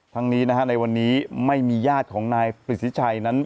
ทั้งนี้นะฮะในวันนี้ไม่มีญาติของนายปริธิชัยนั้น